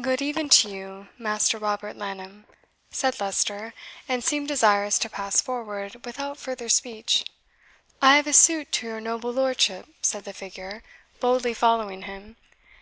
"Good even to you, Master Robert Laneham," said Leicester, and seemed desirous to pass forward, without further speech. "I have a suit to your noble lordship," said the figure, boldly following him.